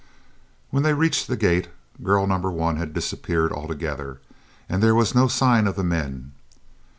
When they reached the gate, girl No. 1 had disappeared altogether and there was no sign of the men.